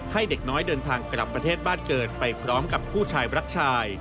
ให้เด็กน้อยเดินทางกลับประเทศบ้านเกิดไปพร้อมกับผู้ชายรักชาย